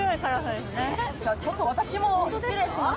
では、ちょっと私も失礼します。